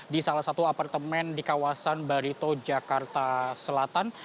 di salah satu apartemen di kawasan barito jakarta selatan